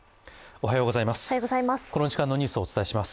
おはようございます。